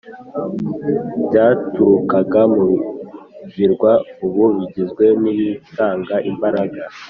byaturukaga mu birwa ubu bigizwe nibitanga imbaraga.